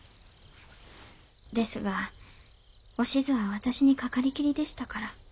ですがおしづは私にかかりきりでしたから。